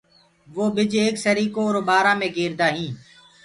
وو ٻج ايڪ سريڪو اُرآ ٻآريو مي گري ائين